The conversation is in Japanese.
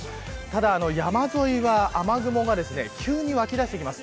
ただ山沿いは雨雲が急にわき出してきます。